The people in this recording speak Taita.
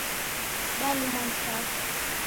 Dalumwa ni safu.